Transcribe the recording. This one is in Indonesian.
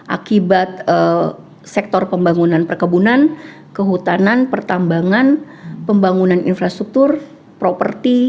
akibat sektor pembangunan perkebunan kehutanan pertambangan pembangunan infrastruktur properti